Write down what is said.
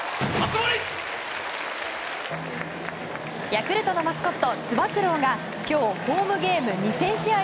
ヤクルトのマスコットつば九郎が今日ホームゲーム２０００試合